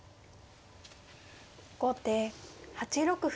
後手８六歩。